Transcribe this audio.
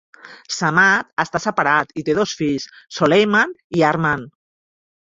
Samad està separat i té dos fills, Soleiman i Arman.